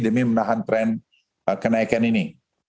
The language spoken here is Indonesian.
demi menahan tren kenaikan ini